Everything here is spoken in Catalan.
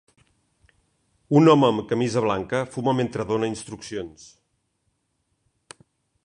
Un home amb camisa blanca fuma mentre dóna instruccions.